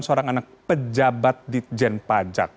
seorang anak pejabat di jen pajak